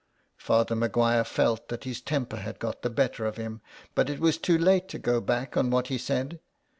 Father Maguire felt that his temper had got the better of him, but it was too late to go back on what he said.